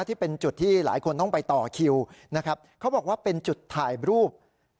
ที่เป็นจุดที่หลายคนต้องไปต่อคิวนะครับเขาบอกว่าเป็นจุดถ่ายรูป